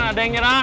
masih di pasar